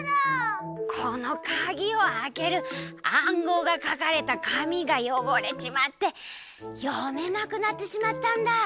このかぎをあける暗号がかかれたかみがよごれちまってよめなくなってしまったんだ。